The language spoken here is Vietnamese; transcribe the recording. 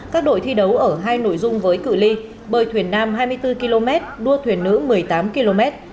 các đội thi đấu ở hai nội dung với cử ly bơi thuyền nam hai mươi bốn km đua thuyền nữ một mươi tám km